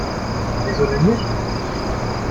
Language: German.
Wieso denn nicht?